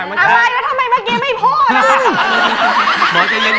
อะไรแล้วทำไมเมื่อกี้ไม่พูดล่ะ